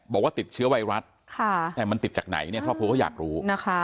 บอกว่าติดเชื้อไวรัสแต่มันติดจากไหนเนี่ยทอพครูก็อยากรู้